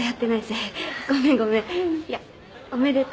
いやおめでとう。